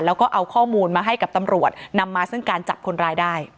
แล้วก็เอาข้อมูลมาให้กับตำรวจนำมาซึ่งการจับคนร้ายได้